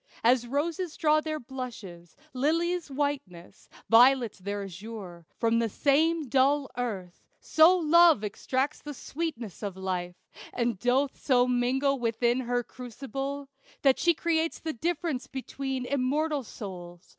As roses draw their blushes, lilies whiteness, Violets their azure, from the same dull earth, So Love extracts the sweetnesses of Life, And doth so mingle all within her crucible, That she creates the difference between Immortal souls.